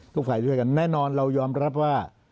ทุกฝ่ายช่วยกันแน่นอนเรายอมรับว่า